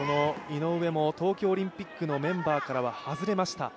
井上も東京オリンピックのメンバーからは外れました。